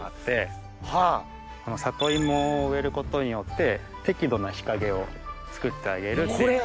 里芋を植えることによって適度な日陰をつくってあげるっていう。